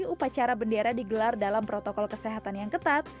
upacara bendera digelar dalam protokol kesehatan yang ketat